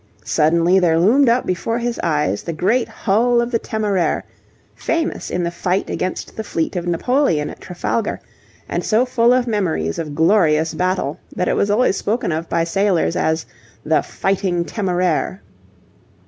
Suddenly there loomed up before his eyes the great hull of the Temeraire, famous in the fight against the fleet of Napoleon at Trafalgar, and so full of memories of glorious battle, that it was always spoken of by sailors as the Fighting Temeraire.